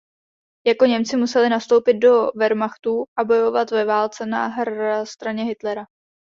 Jako Němci museli nastoupit do wehrmachtu a bojovat ve válce na straně Hitlera.